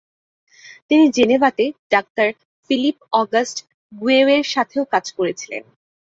তিনি জেনেভাতে ডাঃ Philip August গুয়েয়ের সাথেও কাজ করেছিলেন।